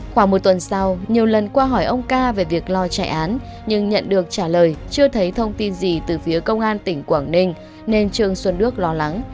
khoảng một tuần sau nhiều lần qua hỏi ông ca về việc lo chạy án nhưng nhận được trả lời chưa thấy thông tin gì từ phía công an tỉnh quảng ninh nên trương xuân đức lo lắng